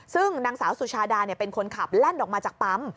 ซึ่งนางสาวสุชาดาเป็นคนขับแล่นออกมาจากปั๊ม